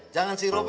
jangan sih roby